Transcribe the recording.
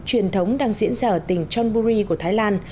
truyền thống đang diễn ra ở tỉnh chonburi của thái lan